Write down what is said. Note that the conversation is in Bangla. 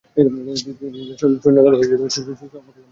তিনি তার সৈন্যদল সুসংগঠিত করেন।